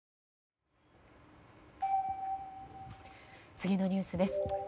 次のニュースです。